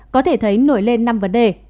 có thể thấy nổi lên năm vấn đề